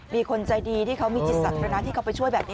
มีคนใจดีที่เขามีจิตสาธารณะที่เขาไปช่วยแบบนี้